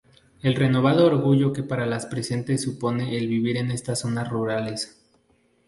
el renovado orgullo que para las presentes supone el vivir en estas zonas rurales.